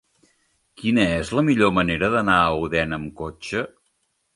Quina és la millor manera d'anar a Odèn amb cotxe?